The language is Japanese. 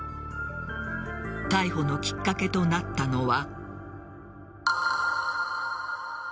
逮捕のきっかけとなったのは。